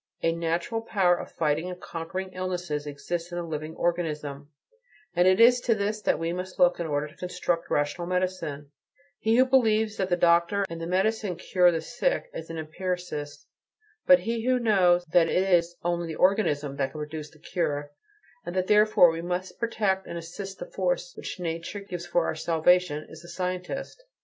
A natural power of fighting and conquering illness exists in the living organism, and it is to this that we must look in order to construct rational medicine; he who believes that the doctor and the medicine cure the sick is an empiricist; but he who knows that it is "only the organism" that can produce the cure, and that therefore we must protect and assist the force which nature gives for our salvation, is a scientist.